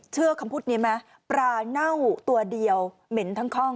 เชื่อคำพูดนี้ไหมปลาเน่าตัวเดียวเหม็นทั้งห้อง